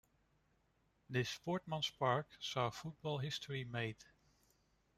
This Sportsman's Park saw football history made.